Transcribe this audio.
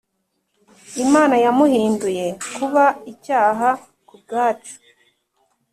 Imana yamuhinduye kuba icyaha ku bwacu,